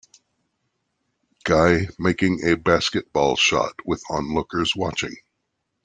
Guy making a basketball shot with onlookers watching.